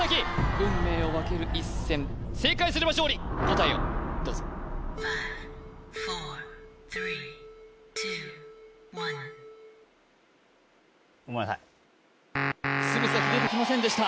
運命を分ける１戦正解すれば勝利答えをどうぞごめんなさい鶴崎出てきませんでした